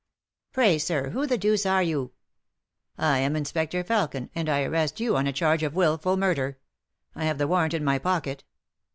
" Pray, sir, who the deuce are you ?" "I am Inspector Felkin, and I arrest you on a charge of wilful murder, I have the warrant in my pocket."